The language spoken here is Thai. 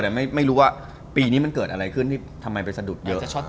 แต่ไม่รู้ว่าปีนี้มันเกิดอะไรขึ้นที่ทำไมไปสะดุดเยอะ